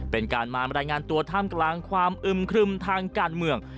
เป็นการมารายงานตัวท่ามกลางความอึมครึมทางการเมือง